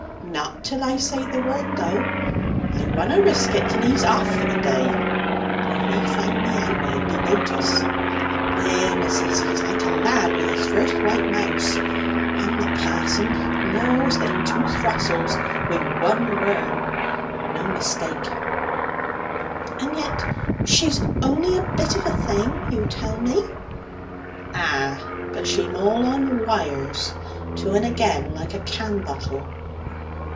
'Not till I say the word, though! I wunna risk it till he's off for the day. If he found me out, it'd be notice. Eh, missus, he's like a lad with his first white mouse! And the parson! Laws, they'm two thrussels wi' one worm, and no mistake.' 'And yet she's only a bit of a thing, you tell me?' 'Ah! But she'm all on wires, to and agen like a canbottle.'